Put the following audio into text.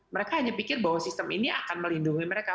mereka hanya pikir bahwa sistem ini akan melindungi mereka